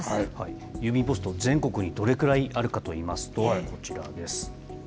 郵便ポスト、全国にどれくらいあるかといいますと、こちらです。